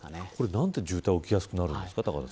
なんで渋滞が起きやすくなるんですか。